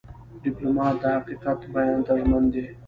ډيپلومات د حقیقت بیان ته ژمن دی.